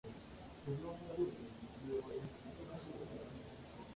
This led to the distinction between physicians and surgeons.